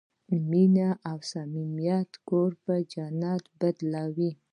مینه او صمیمیت کور په جنت بدلوي.